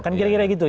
kan kira kira gitu